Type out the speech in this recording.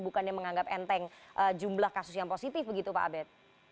bukannya menganggap enteng jumlah kasus yang positif begitu pak abed